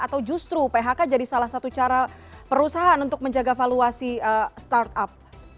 atau justru phk jadi salah satu cara perusahaan untuk menjaga valuasi startup